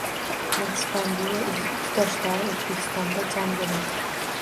Naqshbandiya izdoshlari O‘zbekistonda jam bo‘ladi